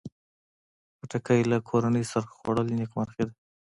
خټکی له کورنۍ سره خوړل نیکمرغي ده.